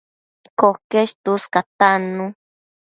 Coquesh tuscatannu